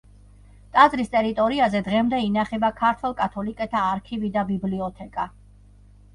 ტაძრის ტერიტორიაზე დღემდე ინახება ქართველ კათოლიკეთა არქივი და ბიბლიოთეკა.